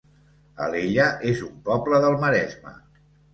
Alella es un poble del Maresme